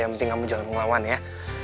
yang penting kamu jangan ngelawan ya